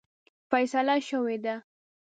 فیصله شوې ده.